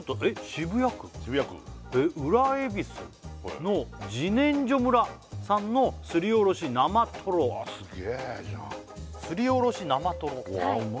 渋谷区渋谷区裏恵比寿の自然生村さんのすりおろし生とろうわスゲエじゃんすりおろし生とろうわっうま